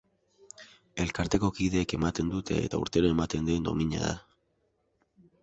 Elkarteko kideek ematen dute eta urtero ematen den domina da.